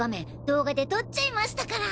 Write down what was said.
動画で撮っちゃいましたから。